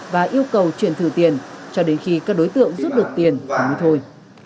và yêu cầu chuyển thử tiền cho đến khi các đối tượng giúp được tiền và mới thôi